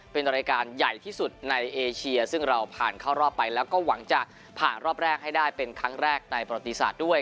เป็นรายการใหญ่ที่สุดในเอเชียซึ่งเราผ่านเข้ารอบไปแล้วก็หวังจะผ่านรอบแรกให้ได้เป็นครั้งแรกในประติศาสตร์ด้วย